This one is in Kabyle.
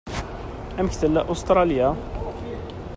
Amek tella Ustṛalya?